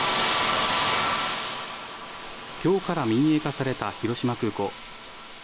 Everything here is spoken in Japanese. きょうから民営化された広島空港。